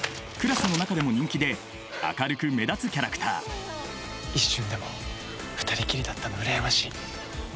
クラスの中でも人気で明るく目立つキャラクター一瞬でも２人きりだったの羨ましい。